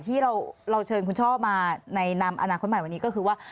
ที่เราเชิญคุณช่อมาในนามอนาคตใหม่วันนี้ก็คือว่า